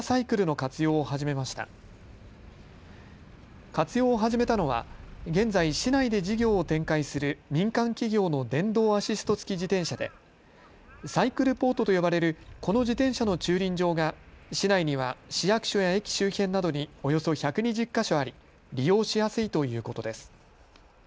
活用を始めたのは現在、市内で事業を展開する民間企業の電動アシスト付き自転車でサイクルポートと呼ばれるこの自転車の駐輪場が市内には市役所や駅周辺などにおよそ１２０か所あり利用しやすいということです。